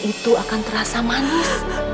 itu akan terasa manis